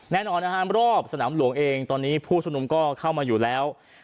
แน่นอนนะฮะรอบสนามหลวงเองตอนนี้ผู้ชุมนุมก็เข้ามาอยู่แล้ว